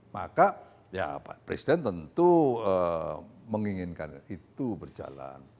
maka ya presiden tentu menginginkan itu berjalan